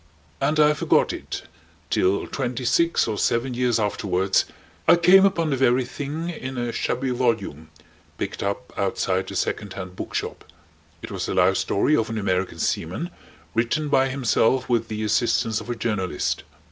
And I forgot it till twenty six or seven years afterwards I came upon the very thing in a shabby volume picked up outside a second hand book shop. It was the life story of an American seaman written by himself with the assistance of a journalist.